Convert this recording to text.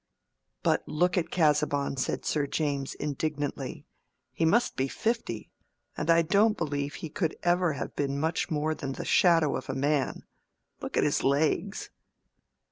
"But look at Casaubon," said Sir James, indignantly. "He must be fifty, and I don't believe he could ever have been much more than the shadow of a man. Look at his legs!"